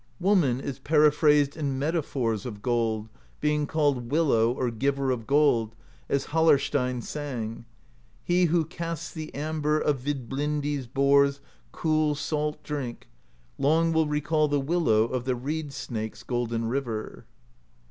Woman is periphrased in metaphors of gold, being called Willow or Giver of Gold, as Hallarsteinn sang: He who casts the Amber Of Vidblindi's Boar's cool, salt Drink, Long will recall the Willow Of the Reed Snake's golden River.